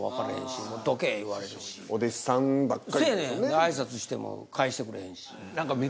挨拶しても返してくれへんし。